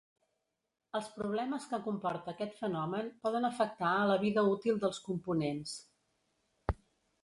Els problemes que comporta aquest fenomen poden afectar a la vida útil dels components.